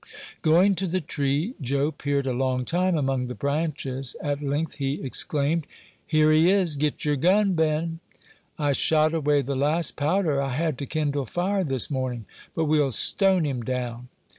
Going to the tree, Joe peered a long time among the branches; at length he exclaimed, "Here he is: get your gun, Ben!" "I shot away the last powder I had to kindle fire this morning; but we'll stone him down."